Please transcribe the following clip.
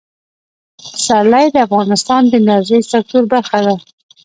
پسرلی د افغانستان د انرژۍ سکتور برخه ده.